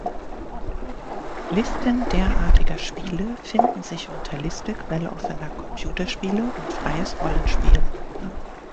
Listen derartiger Spiele finden sich unter Liste quelloffener Computerspiele und freies Rollenspiel.